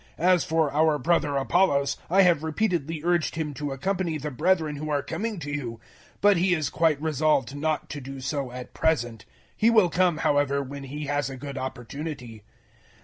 016:012 As for our brother Apollos, I have repeatedly urged him to accompany the brethren who are coming to you: but he is quite resolved not to do so at present. He will come, however, when he has a good opportunity.